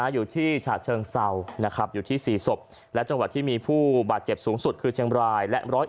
อยู่ที่๔สบแล้วจังหวัดที่มีผู้บาดเจ็บสูงคือเจ้งไบร์